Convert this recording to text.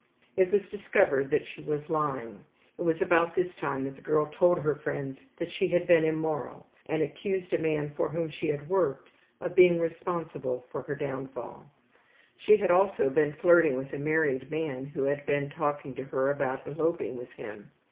It was discovered that she was lying. It was about this time that the girl told her friends that she had been immoral, and accused a man for whom she had worked of being responsible for her downfall. She had also been flirting with a married man who had been talking to her about eloping with him.